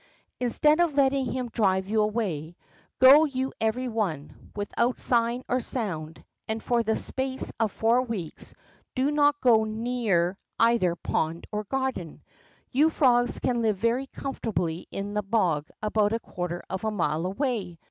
Instead of letting him drive you away, go you every one, without sign or sound, and for the space of four weeks do not go near either pond or garden. You frogs can live very comfortably in the bog about a quarter of a mile away.